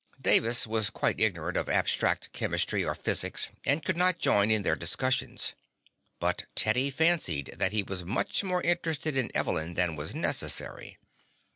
Davis was quite ignorant of abstract chemistry or physics and could not join in their discussions, but Teddy fancied that he was much more interested in Evelyn than was necessary.